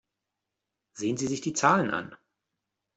Sehen Sie sich die Zahlen an.